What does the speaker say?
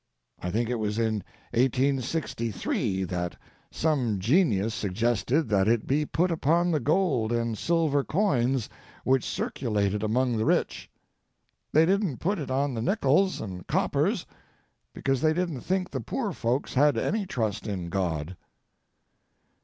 I think it was in 1863 that some genius suggested that it be put upon the gold and silver coins which circulated among the rich. They didn't put it on the nickels and coppers because they didn't think the poor folks had any trust in God.